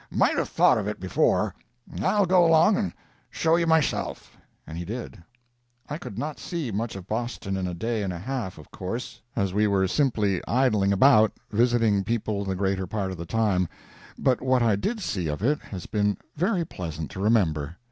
Might have thought of it before. I'll go along and show you myself." And he did. I could not see much of Boston in a day and a half, of course, as we were simply idling about visiting people the greater part of the time, but what I did see of it has been very pleasant to remember.